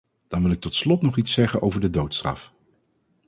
Dan wil ik tot slot nog iets zeggen over de doodstraf.